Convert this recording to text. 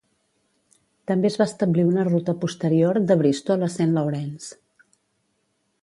També es va establir una ruta posterior de Bristol a Saint Lawrence.